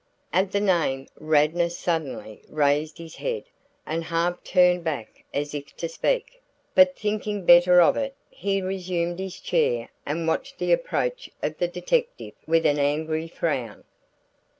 At the name Radnor suddenly raised his head and half turned back as if to speak, but thinking better of it, he resumed his chair and watched the approach of the detective with an angry frown.